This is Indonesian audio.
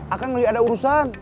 akang lagi ada urusan